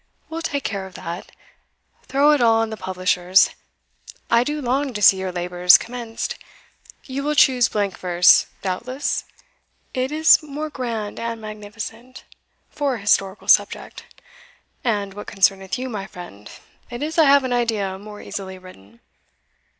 we'll take care of that throw it all on the publishers. I do long to see your labours commenced. You will choose blank verse, doubtless? it is more grand and magnificent for an historical subject; and, what concerneth you, my friend, it is, I have an idea, more easily written."